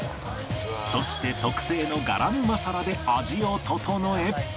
そして特製のガラムマサラで味を調え